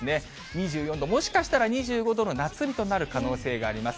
２４度、もしかしたら２５度の夏日となる可能性があります。